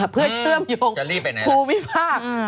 เพื่อเชื่อมโยงภูมิภาคจะรีบไปไหน